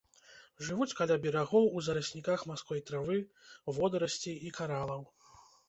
Жывуць каля берагоў у зарасніках марской травы, водарасцей і каралаў.